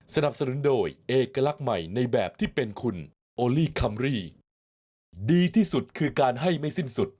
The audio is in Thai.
สนับสนุนโดยเอกลักษณ์ใหม่ในแบบที่เป็นคุณโอลี่คัมรี่ดีที่สุดคือการให้ไม่สิ้นสุด